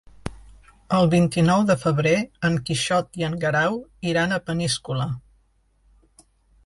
El vint-i-nou de febrer en Quixot i en Guerau iran a Peníscola.